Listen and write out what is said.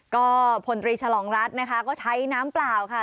ก็พลตรีฉลองรัฐนะคะก็ใช้น้ำเปล่าค่ะ